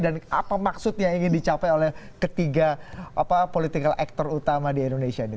dan apa maksudnya ingin dicapai oleh ketiga political actor utama di indonesia ini